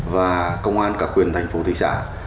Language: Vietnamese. và công an cả quyền thành phố thị xã